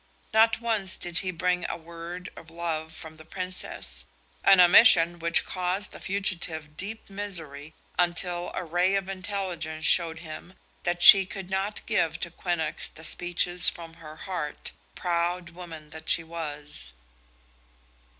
Not once did he bring a word of love from the Princess, an omission which caused the fugitive deep misery until a ray of intelligence showed him that she could not give to Quinnox the speeches from her heart, proud woman that she was.